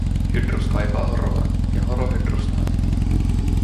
Hydrus kaipaan horoaan, ja horo Hydrustaan.